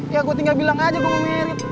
ya gue tinggal bilang aja gue mau mirip